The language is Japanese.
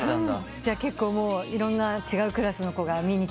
じゃあ結構いろんな違うクラスの子が見に来て？